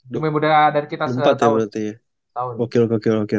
lebih muda dari kita